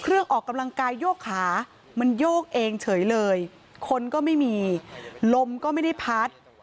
ออกกำลังกายโยกขามันโยกเองเฉยเลยคนก็ไม่มีลมก็ไม่ได้พัด